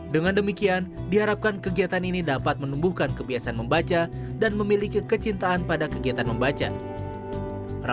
dengan demikian diharapkan kegiatan ini dapat menumbuhkan kebiasaan membaca dan memiliki kecintaan pada kegiatan membaca